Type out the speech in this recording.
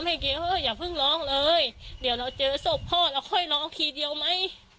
เฮ้ยอย่าเพิ่งร้องเลยเดี๋ยวเราเจอศพพ่อเราค่อยร้องทีเดียวไหม